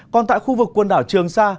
còn tại khu vực quần đảo trường sa